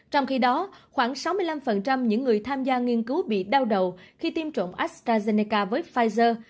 trong khi đó khoảng sáu mươi năm những người tham gia nghiên cứu bị đau đầu khi tiêm chủng astrazeneca với pfizer